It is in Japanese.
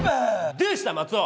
ドゥしたマツオ！？